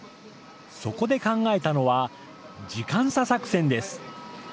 そこで考えたのは、時間差作戦です。